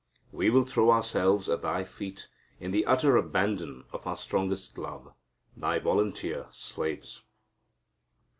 We will throw ourselves at Thy feet in the utter abandon of our strongest love, Thy volunteer slaves.